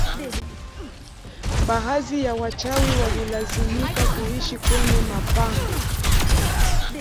Baadhi ya wachawi walilazimika kuishi kwenye mapango